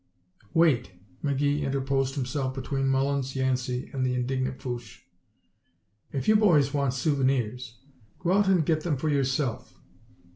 "Wait!" McGee interposed himself between Mullins, Yancey, and the indignant Fouche. "If you boys want souvenirs, go out and get them for yourself.